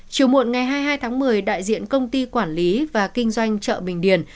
chiều muộn ngày hai mươi hai tháng một mươi đại diện công ty quản lý và kinh doanh chợ bình điền